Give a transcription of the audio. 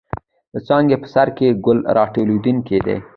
د څانګې په سر کښې ګل را ټوكېدلے دے۔